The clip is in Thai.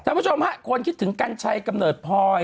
ผู้ชมฮะคนคิดถึงกัญชัยกำเนิดพลอย